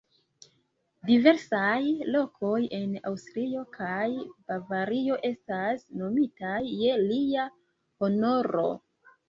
Diversaj lokoj en Aŭstrio kaj Bavario estas nomitaj je lia honoro.